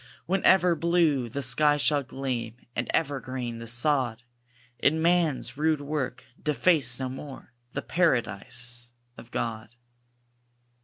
When ever blue the sky shall gleam, And ever green the sod; And man's rude work deface no more The Paradise of God.